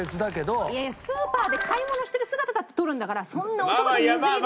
スーパーで買い物してる姿だって撮るんだからそんな男と水着で。